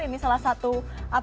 ini salah satu aturan yang wajib